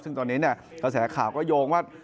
ซึ่งตอนนี้กระแสข่าวก็โยงว่า